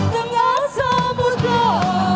berlayar di tengah semurta